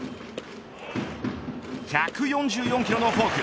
１４４キロのフォーク。